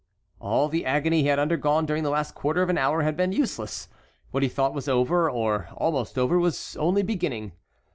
All the agony he had undergone during the last quarter of an hour had been useless. What he thought was over or almost over was only beginning.